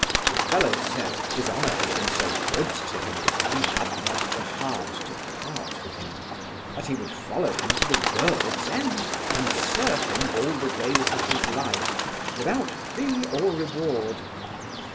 The fellow said, his honour had been so good to him, that he had not the heart to part with him; that he would follow him to the world's end, and serve him all the days of his life, without fee or reward.